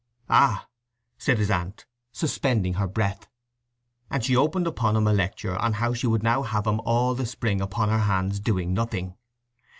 "Ah!" said his aunt, suspending her breath. And she opened upon him a lecture on how she would now have him all the spring upon her hands doing nothing.